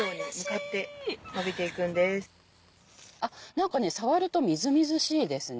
何かね触るとみずみずしいですね。